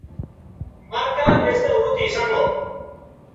Marka ezta urruti izango!